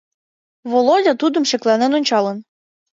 Володя тудым шекланен ончалын.